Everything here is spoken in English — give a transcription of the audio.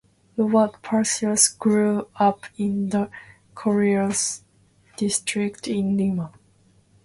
Roberto Palacios grew up in the Chorrillos District in Lima.